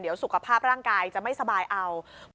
เดี๋ยวสุขภาพร่างกายจะไม่สบายเอา